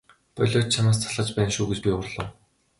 Болиоч чамаас залхаж байна шүү гэж би уурлав.